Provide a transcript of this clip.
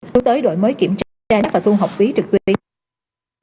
đối với đổi mới kiểm tra giá và thu học phí trực tuyến